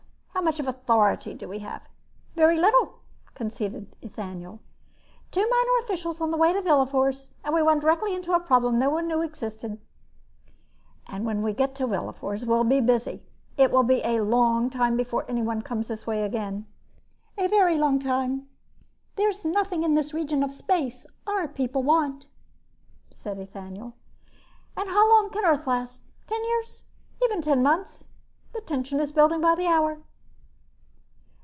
How much authority do we have?" "Very little," conceded Ethaniel. "Two minor officials on the way to Willafours and we run directly into a problem no one knew existed." "And when we get to Willafours we'll be busy. It will be a long time before anyone comes this way again." "A very long time. There's nothing in this region of space our people want," said Ethaniel. "And how long can Earth last? Ten years? Even ten months? The tension is building by the hour."